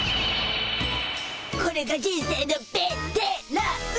これが人生のベテラン！